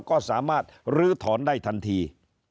ก็สามารถลื้อถอนได้ทันที